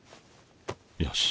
よし。